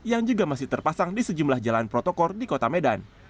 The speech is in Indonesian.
yang juga masih terpasang di sejumlah jalan protokol di kota medan